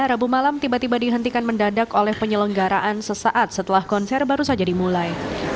rabu malam tiba tiba dihentikan mendadak oleh penyelenggaraan sesaat setelah konser baru saja dimulai